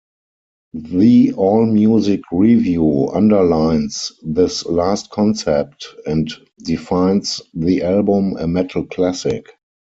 The Allmusic review underlines this last concept and defines the album a "metal classic".